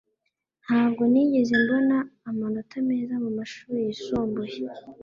ntabwo nigeze mbona amanota meza mumashuri yisumbuye